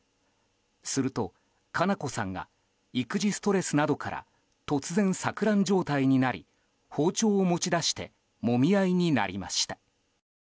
すると、佳菜子さんが育児ストレスなどから突然、錯乱状態になり包丁を持ち出してもみ合いになりました。